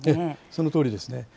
そのとおりですね。